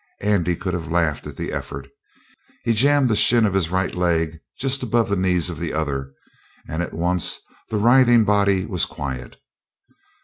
Andy could have laughed at the effort. He jammed the shin of his right leg just above the knees of the other, and at once the writhing body was quiet.